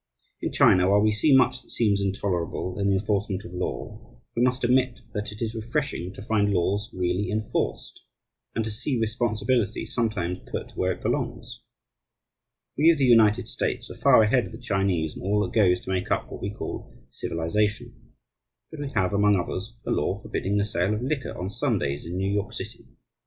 In China, while we see much that seems intolerable in the enforcement of law, we must admit that it is refreshing to find laws really enforced, and to see responsibility sometimes put where it belongs. We of the United States are far ahead of the Chinese in all that goes to make up what we call civilization. But we have, among others, a law forbidding the sale of liquor on Sundays in New York City.